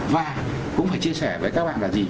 và cũng phải chia sẻ với các bạn là gì